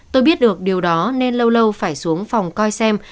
tôi biết được điều đó nên lâu lâu phải xuống phòng coi xem